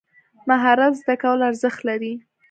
مهارت زده کول ارزښت لري.